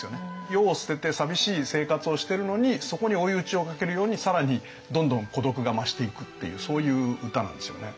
世を捨てて寂しい生活をしてるのにそこに追い打ちをかけるように更にどんどん孤独が増していくっていうそういう歌なんですよね。